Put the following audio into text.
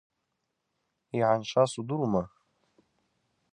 Йгӏаншаз удырума?